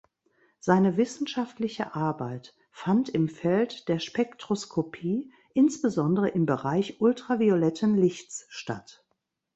Seine wissenschaftliche Arbeit fand im Feld der Spektroskopie, insbesondere im Bereich ultravioletten Lichts statt.